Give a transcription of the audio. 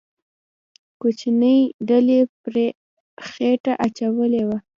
کوچنۍ ډلې پرې خېټه اچولې وه.